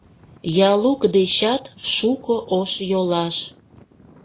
Ялук дечат шуко ош йолаш.